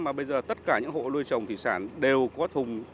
mà bây giờ tất cả những hộ nuôi trồng thủy sản đều có thùng